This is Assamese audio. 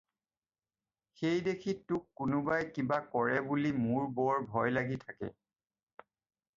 সেইদেখি তোক কোনোবাই কিবা কৰে বুলি মোৰ বৰ ভয় লাগি থাকে।